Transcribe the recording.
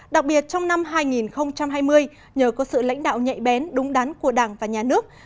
đặc biệt trong năm hai nghìn hai mươi nhờ có sự lãnh đạo nhạy bén đúng đắn của đảng và nhà nước